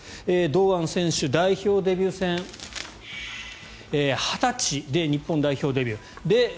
堂安選手、代表デビュー戦２０歳で日本代表デビュー。